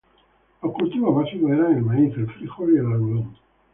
Los cultivos básicos eran el maíz, el frijol y el algodón.